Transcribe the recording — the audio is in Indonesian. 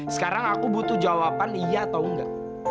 sekarang aku butuh jawaban iya atau enggak